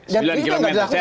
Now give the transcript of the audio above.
dan itu tidak dilakukan